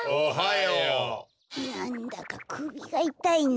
なんだかくびがいたいな。